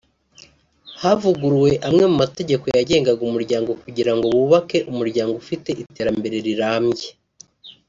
Havuguruwe amwe mu mategeko yagengaga umuryango kugira ngo bubake umuryango ufite iterambere rirambye